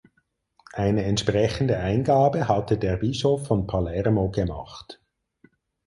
Eine entsprechende Eingabe hatte der Bischof von Palermo gemacht.